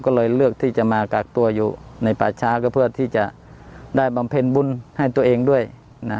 ก็เลยเลือกที่จะมากักตัวอยู่ในป่าช้าก็เพื่อที่จะได้บำเพ็ญบุญให้ตัวเองด้วย